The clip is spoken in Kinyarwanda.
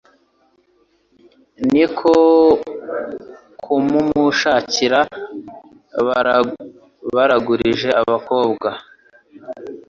ni ko kumumushakira Baragurije abakobwa